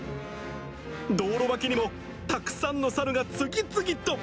道路脇にもたくさんのサルが次々と。